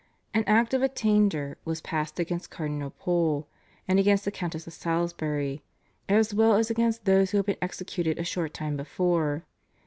An Act of Attainder was passed against Cardinal Pole and against the Countess of Salisbury, as well as against those who had been executed a short time before.